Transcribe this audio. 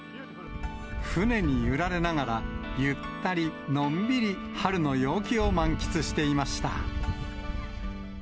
船に揺られながら、ゆったり、のんびり、春の陽気を満喫していました。